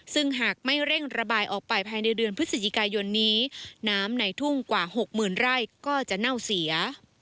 ซึ่งหากไม่เร่งระบายออกไปภายในเดือนพฤศจิกายนนี้น้ำในทุ่งกว่าหกหมื่นไร่ก็จะเน่าเสีย